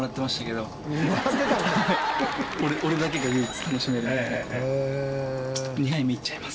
俺だけが唯一楽しめるみたいな。